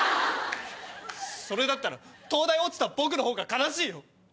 それだったら東大落ちた僕のほうが悲しいよ。